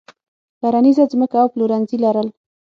کرنیزه ځمکه او پلورنځي لرل.